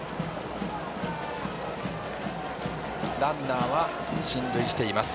ランナーは進塁しています。